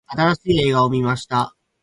新しい映画を観ました。